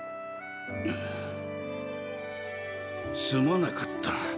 んすまなかった。